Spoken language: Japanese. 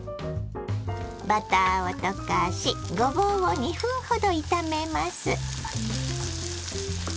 バターを溶かしごぼうを２分ほど炒めます。